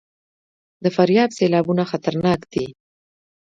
د فاریاب سیلابونه خطرناک دي